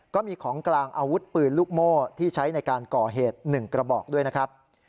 ก็มีของกลางอาวุธปืนลูกโม่ที่ใช้ในการก่อเหตุ๑กระบอกด้วยนะครับ